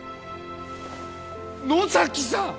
野崎さん！